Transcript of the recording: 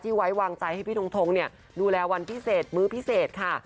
ไว้วางใจให้พี่ทงทงดูแลวันพิเศษมื้อพิเศษค่ะ